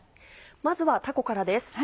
まずはたこからです。